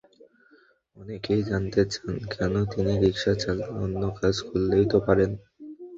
অনেকেই জানতে চান, কেন তিনি রিকশা চালান, অন্য কাজ করলেই তো পারেন।